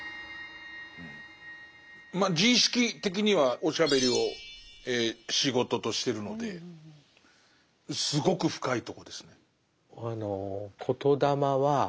まあ自意識的にはおしゃべりを仕事としてるのですごく深いとこですね。